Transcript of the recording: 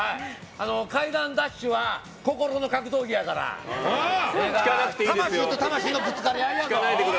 階段ダッシュは心の格闘技やから魂と魂のぶつかり合いやぞ。